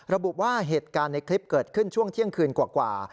ระบุว่าเหตุการณ์ในคลิปเกิดขึ้นช่วงเที่ยงคืนกว่า